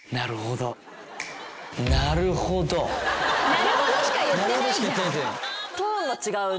「なるほど」しか言ってないじゃん。